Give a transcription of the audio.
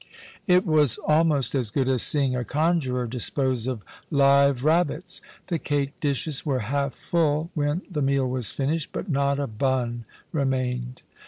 It was almost as good as seeing a conjurer dispose of live rabbits. The cake dishes were half full when the meal was finished ; but not a bun remained.